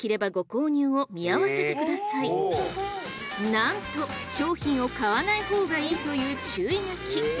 なんと商品を買わない方がいいという注意書き。